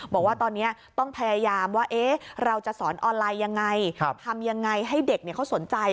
บอกว่าตอนนี้ต้องพยายามว่าเราจะสอนออนไลน์ยังไงทำยังไงให้เด็กเขาสนใจ